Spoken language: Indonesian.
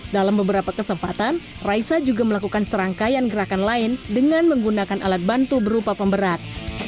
dalam beberapa kesempatan raisa juga melakukan serangkaian gerakan lain dengan menggunakan alat bantu berupa pemberat